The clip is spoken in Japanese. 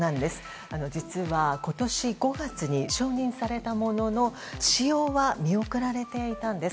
実は今年５月に承認されたものの使用は見送られていたんです。